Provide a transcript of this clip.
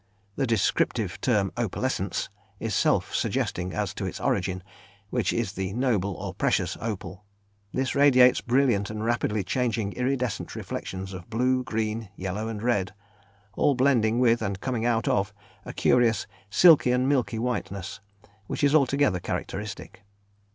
The descriptive term "opalescence" is self suggesting as to its origin, which is the "noble" or "precious" opal; this radiates brilliant and rapidly changing iridescent reflections of blue, green, yellow and red, all blending with, and coming out of, a curious silky and milky whiteness, which is altogether characteristic.